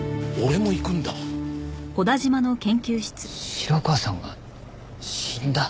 城川さんが死んだ！？